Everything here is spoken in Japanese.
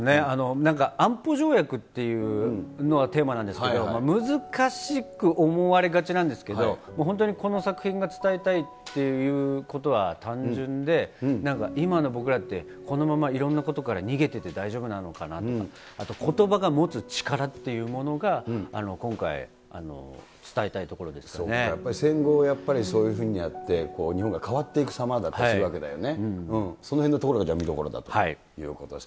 安保条約っていうのがテーマなんですけれども、難しく思われがちなんですけど、本当にこの作品が伝えたいということは単純で、なんか、今の僕らって、このままいろんなことから逃げてて大丈夫なのかなとか、あと、ことばが持つ力っていうものが、今回、そうかやっぱり、戦後そういうふうにやって、日本が変わっていく様だったりするわけだよね。